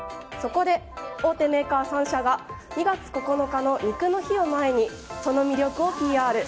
そこで大手メーカー３社が２月９日の肉の日を前にその魅力をＰＲ。